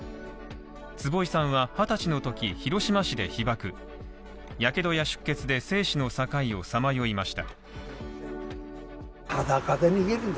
坪井さんは２０歳のとき、広島市で被爆やけどや出血で生死の境をさまよいました。